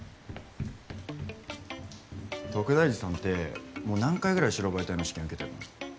徳大寺さんってもう何回ぐらい白バイ隊の試験受けてるの？